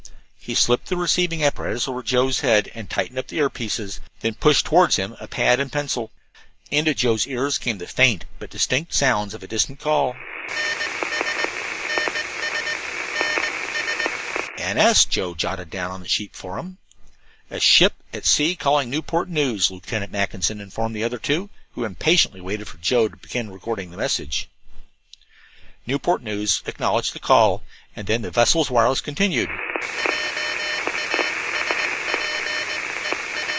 He slipped the receiving apparatus over Joe's head, and tightened up the ear pieces, then pushed toward him a pad and pencil. Into Joe's ears came the faint but distinct sounds of a distant call: ............ "N S," Joe jotted down on the sheet before him. "A ship at sea calling Newport News," Lieutenant Mackinson informed the other two, who waited impatiently for Joe to begin recording the message. Newport News acknowledged the call, and then the vessel's wireless continued